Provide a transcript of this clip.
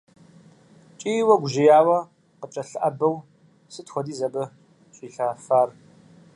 КӀийуэ, гужьеяуэ къыткӀэлъыӀэбэу сыт хуэдиз абы щӀилъэфар!